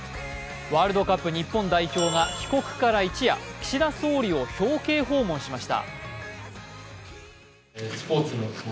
ワールドカップ日本代表が帰国から一夜、岸田総理を表敬訪問しました。